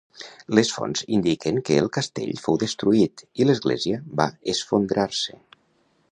Les fonts indiquen que el castell fou destruït i l'església va esfondrar-se.